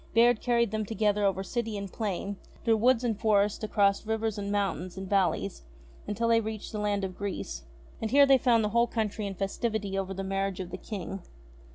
Bayard carried them together over city and plain, through woods and forests, across rivers, and mountains, and valleys, until they reached the Land of Greece. And here they found the whole country in festivity over the marriage of the King.